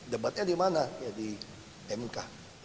debatnya di mana di mk